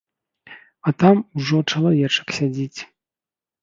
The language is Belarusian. А там ужо чалавечак сядзіць.